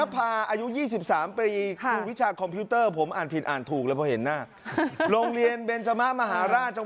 พอเรามาชิดอย่างไรในเรื่องของการที่เราเล่นกดรอง